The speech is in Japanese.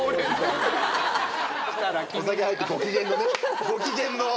お酒入ってご機嫌のねご機嫌の。